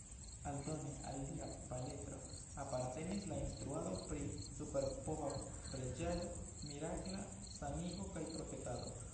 Aldone al lia paletro apartenis la instruado pri superpova preĝado, mirakla sanigo kaj profetado.